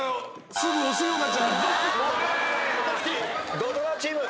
土ドラチーム。